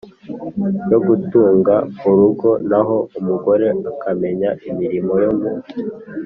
yo gutunga urugo naho umugore akamenya imirimo yo mu